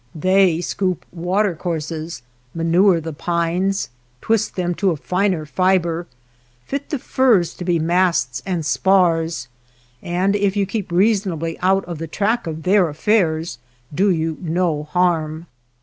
They scoop watercourses, manure 245 NURSLINGS OF THE SKY the pines, twist them to a finer fibre, fit the firs to be masts and spars, and, if you keep reasonably out of the track of their affairs, do you no harm.